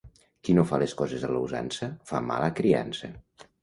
Qui no fa les coses a la usança fa mala criança.